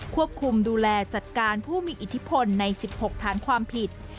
ควบคุมดูแลจัดการผู้มีอิทธิพลใน๑๖ฐานความผิด